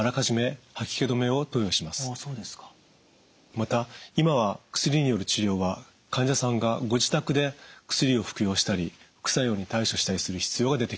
また今は薬による治療は患者さんがご自宅で薬を服用したり副作用に対処したりする必要が出てきています。